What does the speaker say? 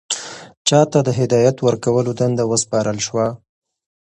چا ته د هدایت ورکولو دنده وسپارل شوه؟